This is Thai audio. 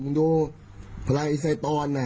คุณดูอีกรายถอนอ่ะ